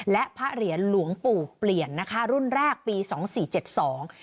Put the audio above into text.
และพระเหรียญหลวงปู่เปลี่ยนนะคะรุ่นแรกปีสองสี่เจ็ดสอง